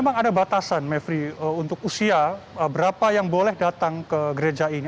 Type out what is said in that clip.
memang ada batasan mevri untuk usia berapa yang boleh datang ke gereja ini